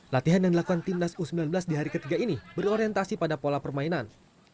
latihan yang dilakukan timnas u sembilan belas di hari ketiga ini berorientasi pada pola permainan